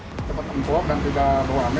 cepet empuk dan tidak berwarna